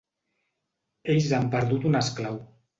Ells han perdut un esclau.